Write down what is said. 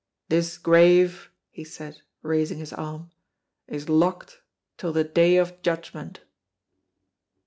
"This grave," he said, raising his arm, "is locked till the day of judgment."